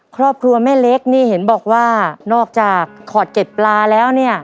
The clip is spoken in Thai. ครอบครัวแม่เล็กนี่เห็นบอกว่านอกจากขอดเก็บปลาแล้วเนี่ย